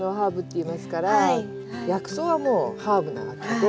薬草はもうハーブなわけで。